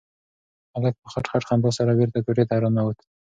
هلک په خټ خټ خندا سره بېرته کوټې ته راننوت.